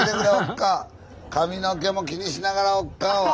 髪の毛も気にしながらおっかあは。